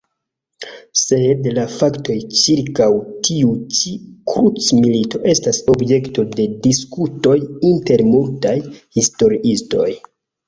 Sed la faktoj ĉirkaŭ tiu ĉi krucmilito estas objekto de diskutoj inter multaj historiistoj.